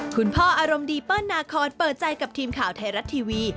คุณพ่ออารมณ์ดีเปิ้ลนาคอนเปิดใจกับทีมข่าวไทยรัฐทีวี